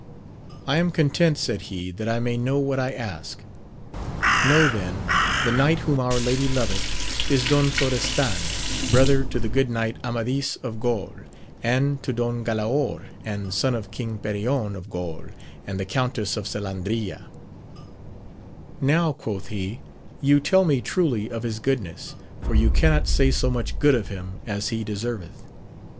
I am content, said he, that I may know what I ask. — Know then, the knight whom our lady loveth, is Don Florestan, brother to the good knight Amadis of Gaul, and to Don Galaor, and son of King Perion of Gaul and the Countess of Selandria, Now, quoth he, you tell me truly of his goodness, for you cannot say so much good of him ag he deserveth.